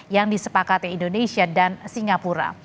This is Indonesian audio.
yang disepakati indonesia dan singapura